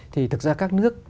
thì thực ra các nước